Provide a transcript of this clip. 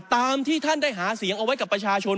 ตามที่ท่านได้หาเสียงเอาไว้กับประชาชน